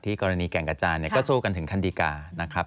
กรณีแก่งกระจานก็สู้กันถึงขั้นดีกานะครับ